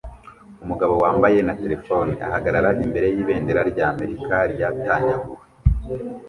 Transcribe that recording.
Umugabo wambaye na terefone ahagarara imbere yibendera rya Amerika ryatanyaguwe